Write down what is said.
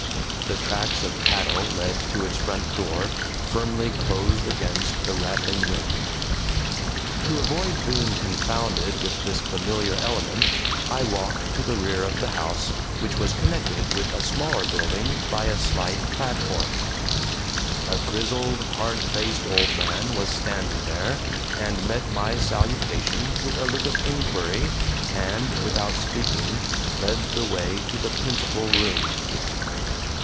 The tracks of cattle led to its front door, firmly closed against the rattling wind. To avoid being confounded with this familiar element, I walked to the rear of the house, which was connected with a smaller building by a slight platform. A grizzled, hard faced old man was standing there, and met my salutation with a look of inquiry, and, without speaking, led the way to the principal room.